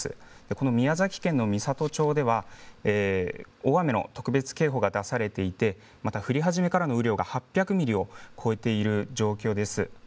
この宮崎県の美郷町では、大雨の特別警報が出されていて、また降り始めからの雨量が８００ミリを超えている状況です。